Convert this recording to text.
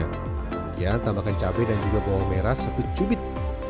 kemudian tambahkan cabai dan juga bawang merah satu cubit